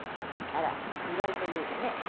あら意外と言うのね。